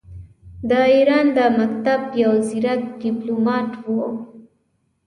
د ایران د مکتب یو ځیرک ډیپلوماټ وو.